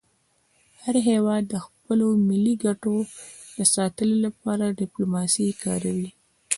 هر هېواد د خپلو ملي ګټو د ساتلو لپاره ډيپلوماسي کاروي.